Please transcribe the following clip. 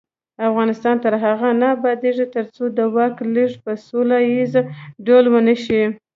افغانستان تر هغو نه ابادیږي، ترڅو د واک لیږد په سوله ییز ډول ونشي.